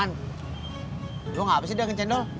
bang gue gak habis aja makan cendol